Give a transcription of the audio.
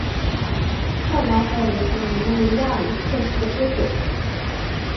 翰劳还有一个名为亚历克斯的哥哥。